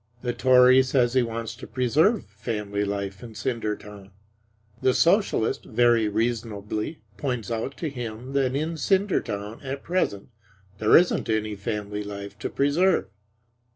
The Tory says he wants to preserve family life in Cindertown; the Socialist very reasonably points out to him that in Cindertown at present there isn't any family life to preserve.